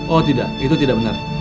oh tidak itu tidak benar